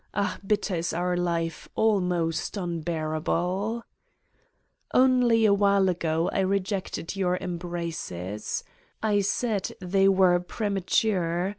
... Ah, bitter is our life, al most unbearable ! Only a while ago, I rejected your embraces. I said they were premature.